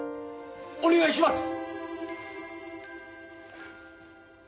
お願いします！